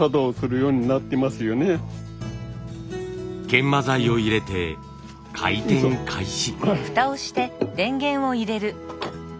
研磨剤を入れて回転開始。